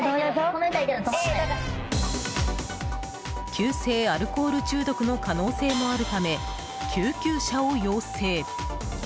急性アルコール中毒の可能性もあるため、救急車を要請。